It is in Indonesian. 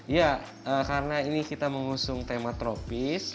ya karena ini kita mengusung tema tropis